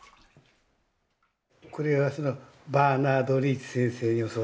これはバーナード・リーチ先生に教わりました。